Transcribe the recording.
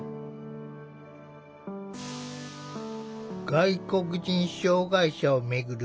外国人障害者を巡る